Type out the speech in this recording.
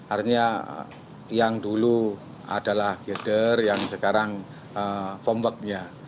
artinya yang dulu adalah gilder yang sekarang fomwoknya